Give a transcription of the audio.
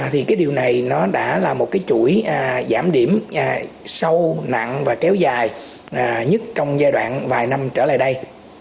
thì điều này đã là một chuỗi giảm điểm sâu nặng và kéo dài nhất trong giai đoạn vài năm trở lại đây